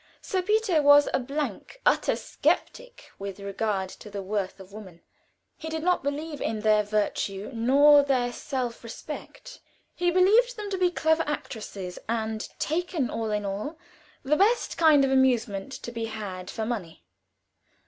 Sir Peter was a blank, utter skeptic with regard to the worth of woman. He did not believe in their virtue nor their self respect; he believed them to be clever actresses, and, taken all in all, the best kind of amusement to be had for money.